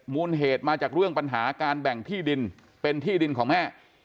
มูลเหตุมาจากเรื่องปัญหาการแบ่งที่ดินเป็นที่ดินของแม่